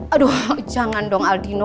aduh jangan dong aldino